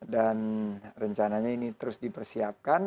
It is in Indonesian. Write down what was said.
dan rencananya ini terus dipersiapkan